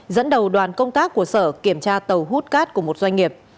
dẫn đầu đoàn công tác của sở kiểm tra tàu hút cát của một doanh nghiệp